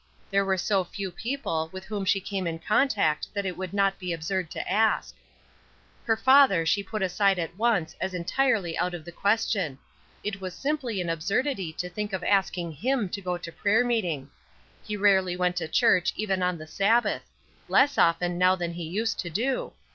There were so few people with whom she came in contact that it would not be absurd to ask. Her father she put aside at once as entirely out of the question. It was simply an absurdity to think of asking him to go to prayer meeting! He rarely went to church even on the Sabbath; less often now than he used to do.